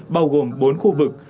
bao gồm bốn khu vực